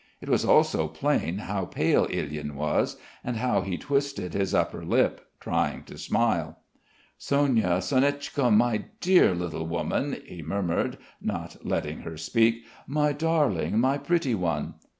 It was also plain how pale Ilyin was, and how he twisted his upper lip, trying to smile. "Sonia, Sonichka, my dear little woman," he murmured, not letting her speak. "My darling, my pretty one."